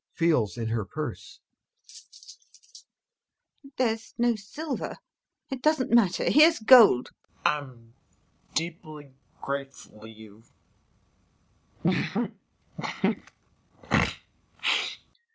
[Feels in her purse] There's no silver.... It doesn't matter, here's gold. TRAMP. I am deeply grateful to you!